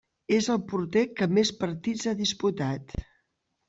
És el porter que més partits ha disputat.